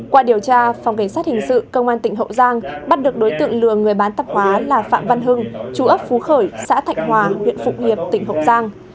qua điều tra phòng cảnh sát hình sự công an tỉnh hậu giang bắt được đối tượng lừa người bán tạp hóa là phạm văn hưng chú ấp phú khởi xã thạnh hòa huyện phục hiệp tỉnh hậu giang